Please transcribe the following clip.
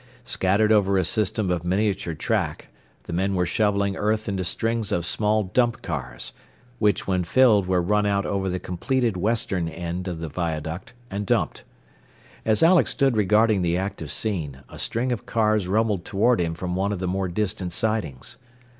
Scattered over a system of miniature track, the men were shovelling earth into strings of small dump cars, which when filled were run out over the completed western end of the viaduct, and dumped. As Alex stood regarding the active scene, a string of cars rumbled toward him from one of the more distant sidings.